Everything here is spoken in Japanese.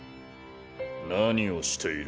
何をしている？